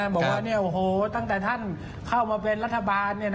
บอกว่าตั้งแต่ท่านเข้ามาเป็นรัฐบาล